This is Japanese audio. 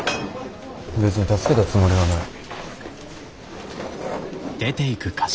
別に助けたつもりはない。